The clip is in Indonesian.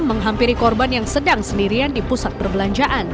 menghampiri korban yang sedang sendirian di pusat perbelanjaan